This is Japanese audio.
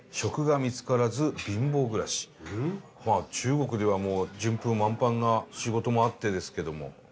まあ中国ではもう順風満帆な仕事もあってですけども。